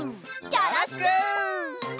よろしく！